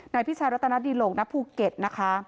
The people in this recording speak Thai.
พี่ชายรัตนดิโหลกณภูเก็ตนะคะ